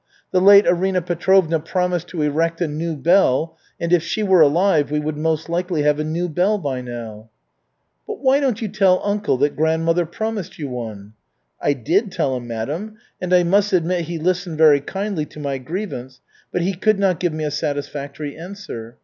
The late Arina Petrovna promised to erect a new bell and, if she were alive we would most likely have a new bell by now." "Why don't you tell uncle that grandmother promised you one?" "I did tell him, madam, and I must admit he listened very kindly to my grievance, but he could not give me a satisfactory answer.